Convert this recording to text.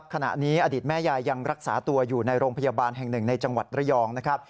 ขณะนี้อดีตแม่ยายยังรักษาตัวอยู่ในโรงพยาบาลแห่งหนึ่งในจังหวัดระยองนะครับ